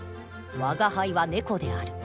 「吾輩は猫である」